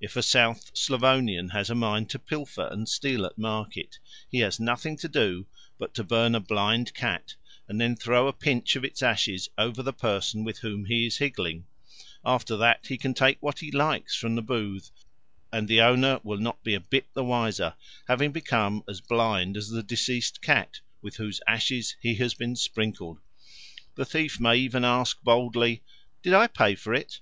If a South Slavonian has a mind to pilfer and steal at market, he has nothing to do but to burn a blind cat, and then throw a pinch of its ashes over the person with whom he is higgling; after that he can take what he likes from the booth, and the owner will not be a bit the wiser, having become as blind as the deceased cat with whose ashes he has been sprinkled. The thief may even ask boldly, "Did I pay for it?"